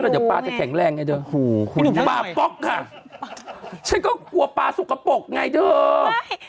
เดี๋ยวปลาจะแข็งแรงไงเธอหูคุณปลาป๊อกค่ะฉันก็กลัวปลาสกปรกไงเธอ